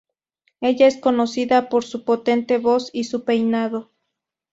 Ella es conocida por su potente voz y su peinado.